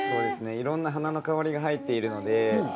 いろんな花の香りが入っているので。